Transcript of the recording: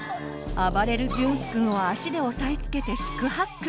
暴れる隼州くんを足で押さえつけて四苦八苦。